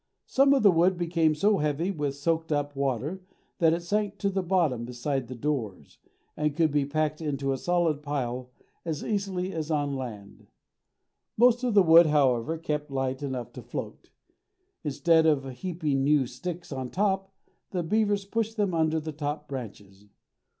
Some of the wood became so heavy with soaked up water that it sank to the bottom beside the doors, and could be packed in a solid pile as easily as on land. Most of the wood, however, kept light enough to float. Instead of heaping new sticks on top, the beavers pushed them under the top branches.